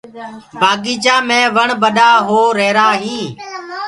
بگيچآ مي وڻ ٻڏآ هو رهيرآ هينٚ۔